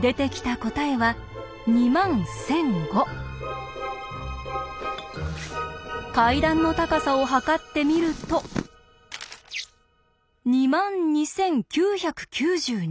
出てきた答えは階段の高さを測ってみると２万２９９２。